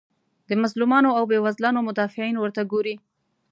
د مظلومانو او بیوزلانو مدافعین ورته ګوري.